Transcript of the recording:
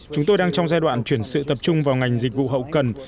chúng tôi đang trong giai đoạn chuyển sự tập trung vào ngành dịch vụ hậu cần